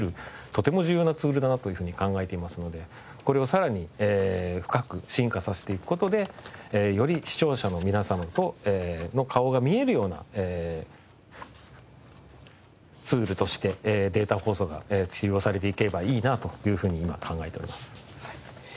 とても重要なツールだなというふうに考えていますのでこれをさらに深く進化させていく事でより視聴者の皆様の顔が見えるようなツールとしてデータ放送が使用されていければいいなというふうに今考えております。